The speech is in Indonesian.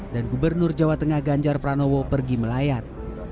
dan gubernur jawa tengah ganjar pranowo pergi melayat